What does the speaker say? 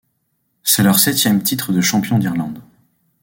C’est leur septième titre de champion d’Irlande.